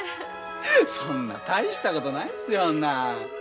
そんな大したことないんですよ。